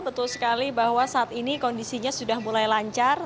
betul sekali bahwa saat ini kondisinya sudah mulai lancar